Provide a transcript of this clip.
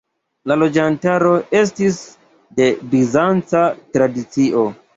La loĝantaro estis de bizanca tradicio.